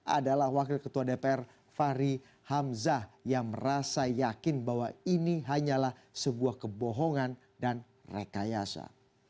adalah wakil ketua dpr fahri hamzah yang merasa yakin bahwa ini hanyalah sebuah kebohongan dan rekayasa